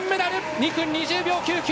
２分２０秒９９。